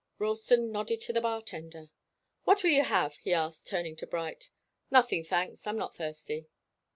Ralston nodded to the bar tender. "What will you have?" he asked, turning to Bright. "Nothing, thanks. I'm not thirsty."